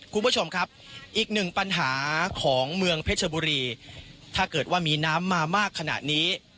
คุณผู้ชมครับอีกหนึ่งปัญหาของเมืองเพชรบุรีถ้าเกิดว่ามีน้ำมามากขนาดนี้